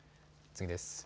次です。